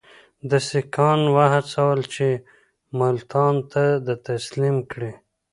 ده سیکهان وهڅول چې ملتان ده ته تسلیم کړي.